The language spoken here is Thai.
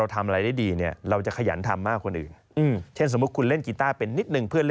กลายเป็นกีต้าเทพ